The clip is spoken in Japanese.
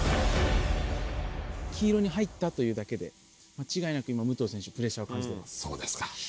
黄色に入ったというだけで、間違いなく今、武藤選手、プレッシャーを感じてます。